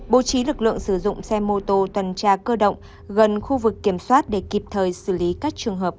bố trí lực lượng sử dụng xe mô tô tuần tra cơ động gần khu vực kiểm soát để kịp thời xử lý các trường hợp